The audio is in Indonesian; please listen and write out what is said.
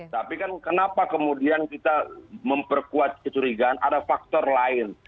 tapi kan kenapa kemudian kita memperkuat kecurigaan ada faktor lain